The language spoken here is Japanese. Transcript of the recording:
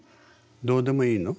どうでもいいの？